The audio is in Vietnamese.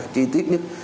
chi tiết nhất